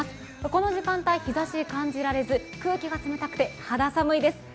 この時間帯、日ざし感じられず、空気が冷たくて肌寒いです。